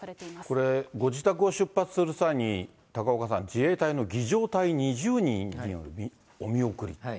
これ、ご自宅を出発する際に、高岡さん、自衛隊の儀じょう隊２０人お見送り。